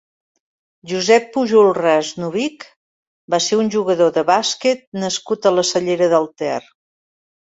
Josep Pujolràs Novich va ser un jugador de bàsquet nascut a la Cellera de Ter.